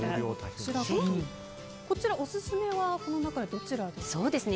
こちらオススメはこの中でどちらですか？